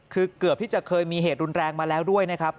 คือเกือบที่จะเคยมีเหตุรุนแรงมาแล้วด้วยนะครับ